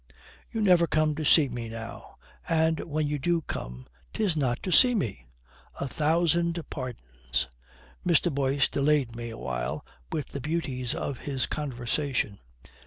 "You never come to see me now. And when you do come, 'tis not to see me." "A thousand pardons. Mr. Boyce delayed me awhile with the beauties of his conversation."